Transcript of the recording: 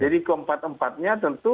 jadi keempat empatnya tentu memiliki peluang